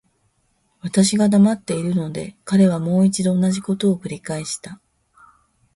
私が黙っているので、彼はもう一度同じことを繰返した。